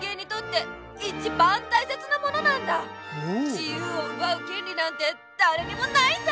じゆうをうばうけんりなんてだれにもないんだ！